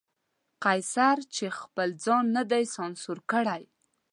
قیصر چې خپل ځان نه دی سانسور کړی.